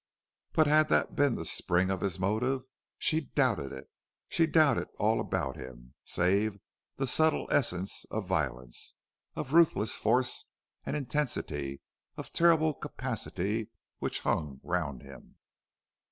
But had that been the spring of his motive? She doubted it she doubted all about him, save that subtle essence of violence, of ruthless force and intensity, of terrible capacity, which hung round him.